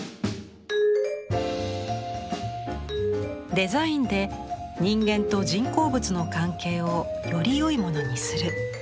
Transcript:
デザインで人間と人工物の関係をよりよいものにする。